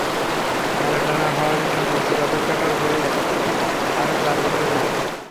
Maradona হওয়ার জন্য মেসির অপেক্ষাটাও বেড়ে গেল আরও চার বছরের জন্য।